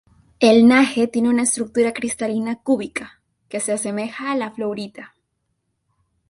El NaHe tiene una estructura cristalina cúbica, que se asemeja a la fluorita.